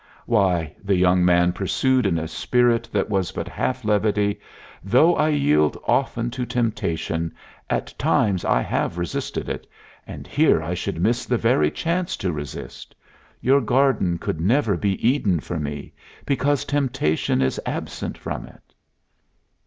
"Why," the young man pursued in a spirit that was but half levity, "though I yield often to temptation, at times I have resisted it, and here I should miss the very chance to resist. Your garden could never be Eden for me, because temptation is absent from it."